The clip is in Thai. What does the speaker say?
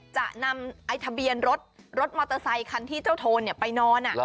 จะนำไอ้ทะเบียนรถรถมอเตอร์ไซคันที่เจ้าโทนไปนอน